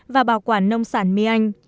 và bảo quản nông sản mi anh